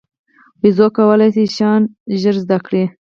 بیزو کولای شي شیان ژر زده کړي.